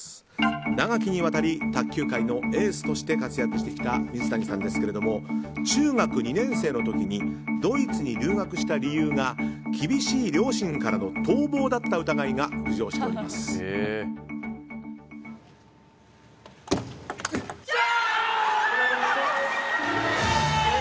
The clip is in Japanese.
長きにわたり卓球界のエースとして活躍してきた水谷さんですけれども中学２年生の時にドイツに留学した理由が厳しい両親からの逃亡だった疑いが浮上しています。